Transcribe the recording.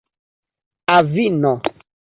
avino